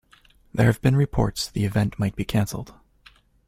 There have been reports the event might be canceled.